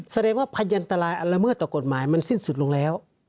แสดงว่าพยันตรายอันละเมิดต่อกฎหมายมันสิ้นสุดลงแล้ว